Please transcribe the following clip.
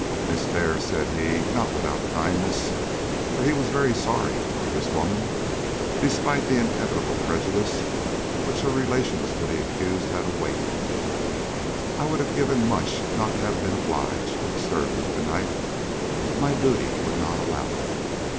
"Miss Dare," said he, not without kindness, for he was very sorry for this woman, despite the inevitable prejudice which her relations to the accused had awakened, "I would have given much not to have been obliged to disturb you to night, but my duty would not allow it.